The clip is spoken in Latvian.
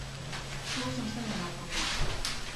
Klusums ne vienmēr palīdz.